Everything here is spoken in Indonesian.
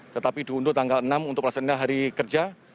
tetapi diunduh tanggal enam untuk melaksanakan hari kerja